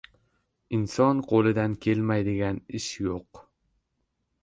• Inson qo‘lidan kelmaydigan ish yo‘q.